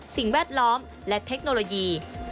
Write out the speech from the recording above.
สิ่งแวดล้อมและเทคโนโลยี